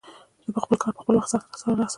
زه به خپل کار په خپل وخت سرته ورسوم